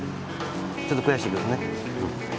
ちょっと悔しいけどね。